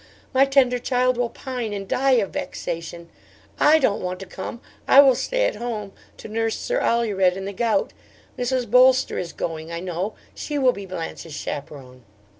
My tender child will pine and die of vexation. I don't want to come. I will stay at home to nurse Sir Alured in the gout. Mrs. Bolster is going, I know; she will be Blanche's chaperon."